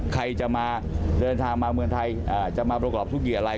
ใครจะมาเดินทางมาเมืองไทยจะมาประกอบธุรกิจอะไร